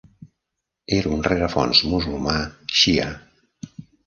Era d'un rerefons musulmà Shia.